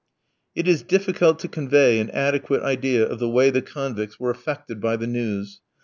It is difficult to convey an adequate idea of the way the convicts were affected by the news.